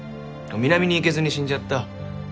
南に行けずに死んじゃった。